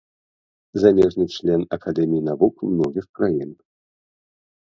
Замежны член акадэмій навук многіх краін.